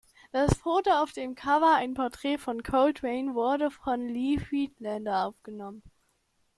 Das Foto auf dem Cover, ein Porträt von Coltrane, wurde von Lee Friedlander aufgenommen.